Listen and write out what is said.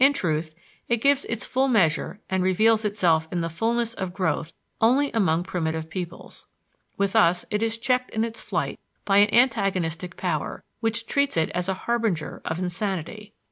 In truth it gives its full measure and reveals itself in the fulness of growth only among primitive peoples. With us it is checked in its flight by an antagonistic power, which treats it as a harbinger of insanity.